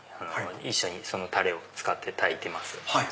一緒にそのタレを使って炊いています。